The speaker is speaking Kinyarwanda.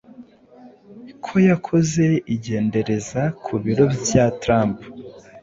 ko yakoze igendereza ku biro vya Trump